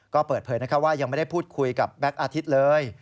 ก็เปิดเผยว่ายังไม่ได้พูดคุยกับแบ็คอาทิตย์เลย